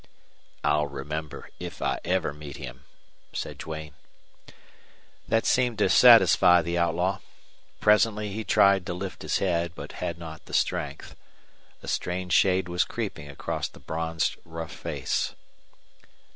"I'll remember, if I ever meet him," said Duane. That seemed to satisfy the outlaw. Presently he tried to lift his head, but had not the strength. A strange shade was creeping across the bronzed rough face.